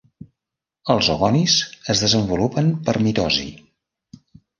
Els oogonis es desenvolupen per mitosi.